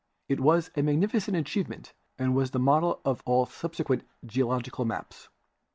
I\ was a. magnificent achievement and was the model of all subsequent geological maps.